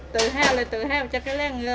tự hào là tự hào cho cái làng